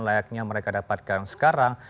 layaknya mereka dapatkan sekarang